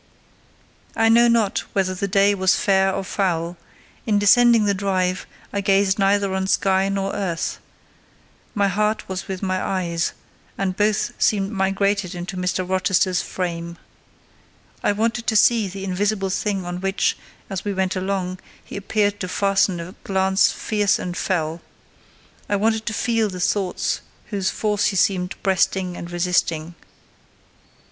I know not whether the day was fair or foul; in descending the drive, I gazed neither on sky nor earth: my heart was with my eyes; and both seemed migrated into Mr. Rochester's frame. I wanted to see the invisible thing on which, as we went along, he appeared to fasten a glance fierce and fell. I wanted to feel the thoughts whose force he seemed breasting and resisting.